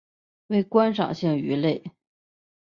为观赏性鱼类。